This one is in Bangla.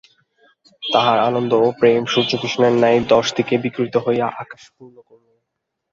তাঁহার আনন্দ ও প্রেম সূর্যকিরণের ন্যায় দশ দিকে বিকিরিত হইয়া আকাশ পূর্ণ করিল।